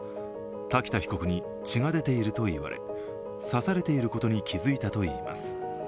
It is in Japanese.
瀧田被告に、血が出ていると言われ刺されていることに気づいたといいます。